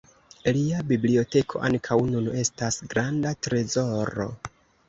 Lia biblioteko ankaŭ nun estas granda trezoro.